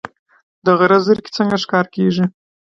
د غره زرکې څنګه ښکار کیږي؟